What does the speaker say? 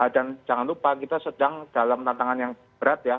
dan jangan lupa kita sedang dalam tantangan yang berat ya